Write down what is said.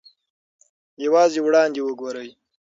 یوازې وړاندې وګورئ.